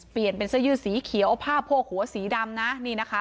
เปลี่ยนเป็นเสื้อยืดสีเขียวผ้าโพกหัวสีดำนะนี่นะคะ